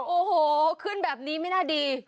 โอ้โหขึ้นแบบนี้ไม่น่าดี